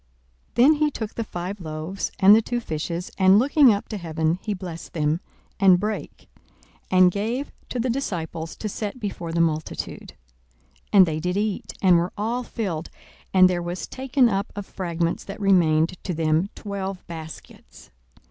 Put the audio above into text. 42:009:016 Then he took the five loaves and the two fishes, and looking up to heaven, he blessed them, and brake, and gave to the disciples to set before the multitude. 42:009:017 And they did eat, and were all filled: and there was taken up of fragments that remained to them twelve baskets.